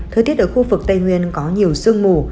thời tiết ở khu vực tây nguyên có nhiều sương mù